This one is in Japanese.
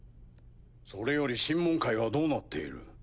それより審問会はどうなっている？